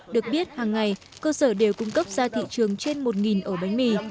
được biết hàng ngày cơ sở đều cung cấp ra thị trường trên một ổ bánh mì